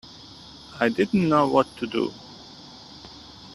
I didn't know what to do.